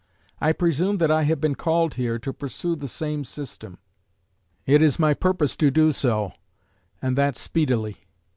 I presume that I have been called here to pursue the same system.... It is my purpose to do so, and that speedily....